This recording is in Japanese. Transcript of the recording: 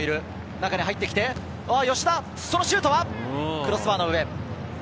中に入ってきて、吉田、そのシュートは、クロスバーの上。